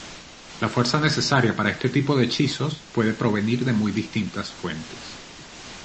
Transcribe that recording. La fuerza necesaria para este tipo de hechizos puede provenir de muy distintas fuentes.